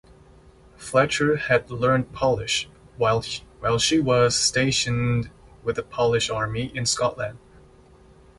Fletcher had learned Polish while she was stationed with the Polish army in Scotland.